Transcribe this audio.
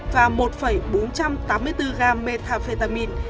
và một bốn trăm tám mươi bốn g methamphetamine